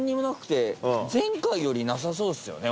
前回よりなさそうですよね